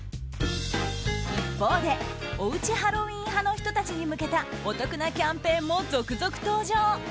一方でおうちハロウィーン派の人たちに向けたお得なキャンペーンも続々登場。